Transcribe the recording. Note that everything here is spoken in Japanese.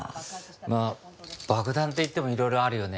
まあ爆弾っていってもいろいろあるよね。